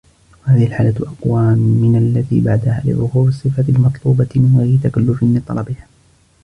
وَهَذِهِ الْحَالَةُ أَقْوَى مِنْ الَّتِي بَعْدَهَا لِظُهُورِ الصِّفَاتِ الْمَطْلُوبَةِ مِنْ غَيْرِ تَكَلُّفٍ لِطَلَبِهَا